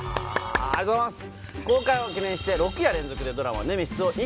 ありがとうございます。